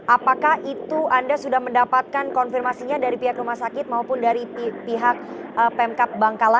apakah itu anda sudah mendapatkan konfirmasinya dari pihak rumah sakit maupun dari pihak pemkap bangkala